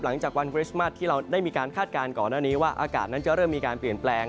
หลังจากวันคริสต์มัสที่เราได้มีการคาดการณ์ก่อนหน้านี้ว่าอากาศนั้นจะเริ่มมีการเปลี่ยนแปลง